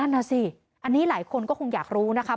นั่นน่ะสิอันนี้หลายคนก็คงอยากรู้นะคะ